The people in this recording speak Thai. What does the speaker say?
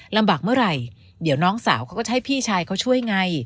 ลำบากเมื่อไหร่เดี๋ยวน้องสาวเขาก็จะให้พี่ชายเขาช่วยไง